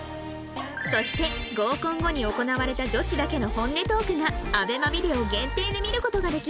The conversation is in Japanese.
そして合コン後に行われた女子だけの本音トークが ＡＢＥＭＡ ビデオ限定で見る事ができます。